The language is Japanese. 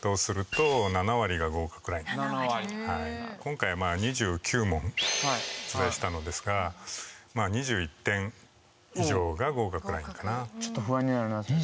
今回は２９問出題したのですが２１点以上が合格ラインかな。